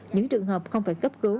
những trường hợp không phải cấp cứu